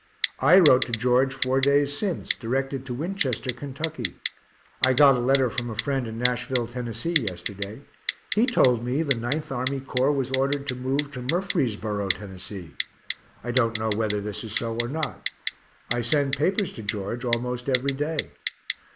I wrote to George four days since, directed to Winchester, Kentucky. I got a letter from a friend in Nashville, Tenn., yesterday he told me the 9th Army Corps was ordered to move to Murfreesboro, Tenn. I don't know whether this is so or not. I send papers to George almost every day.